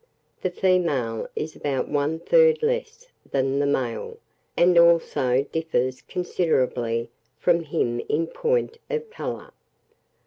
The female is about one third less than the male, and also differs considerably from him in point of colour.